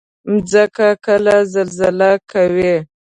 مځکه کله زلزله کوي.